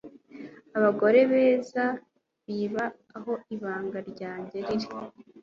Abagore beza bibaza aho ibanga ryanjye riri